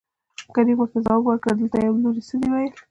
کريم ورته ځواب ورکړ دلته يم لورې څه دې وويل.